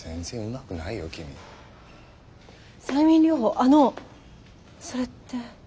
あのそれって。